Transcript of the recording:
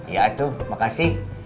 ya itu makasih